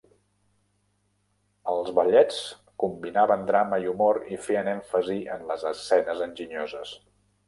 Els ballets combinaven drama i humor i feien èmfasi en les escenes enginyoses.